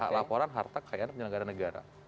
laporan harta kekayaan penyelenggara negara